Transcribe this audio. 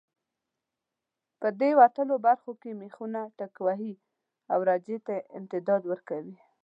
په دې وتلو برخو کې مېخونه ټکوهي او رجه ته امتداد ورکوي.